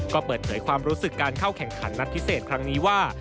ก็เปิดเผยความรู้สึกการเข้าแข่งขันนัดพิเศษครั้งนี้ว่า